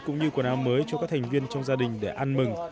cũng như quần áo mới cho các thành viên trong gia đình để ăn mừng